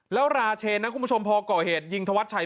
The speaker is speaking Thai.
แล้วราเชนนะคุณผู้ชมพอก่อเหตุยิงธวัดชัย